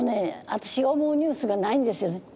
私が思うニュースがないんですよね。